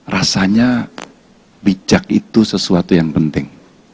rasanya bijak itu sesuatu yang penting